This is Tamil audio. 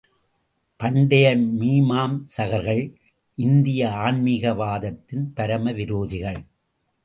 பண்டைய மீமாம்சகர்கள் இந்திய ஆன்மீகவாதத்தின் பரம விரோதிகள்.